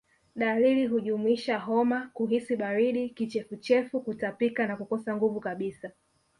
Dalili hujumuisha homa kuhisi baridi kichefuchefu Kutapika na kukosa nguvu kabisa